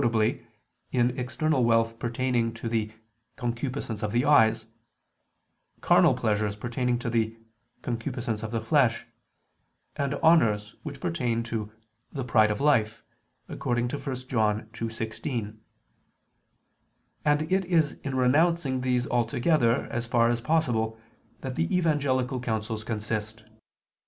in external wealth pertaining to the "concupiscence of the eyes"; carnal pleasures pertaining to the "concupiscence of the flesh"; and honors, which pertain to the "pride of life," according to 1 John 2:16: and it is in renouncing these altogether, as far as possible, that the evangelical counsels consist.